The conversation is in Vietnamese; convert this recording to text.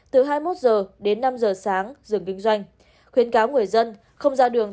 từ hai mươi một giờ đến năm giờ sáng dừng kinh doanh khuyến cáo người dân không ra đường